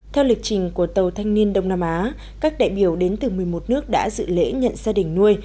theo lịch trình của tàu thanh niên đông nam á các đại biểu đến từ một mươi một nước đã dự lễ nhận gia đình nuôi